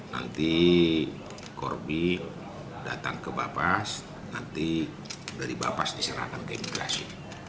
nanti korbi datang ke bapas nanti dari bapas diserahkan ke imigrasi